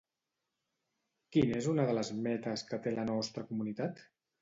Quin és una de les metes que té la nostra comunitat?